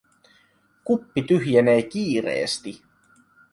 Kuppi tyhjenee kiireesti.